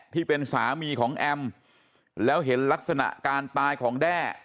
ที่เป็นสามีของแอมแล้วเห็นลักษณะการตายของแด้